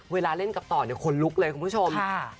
เวลาเล่นกับต่อเนี่ยคนลุกเลยคุณผู้ชม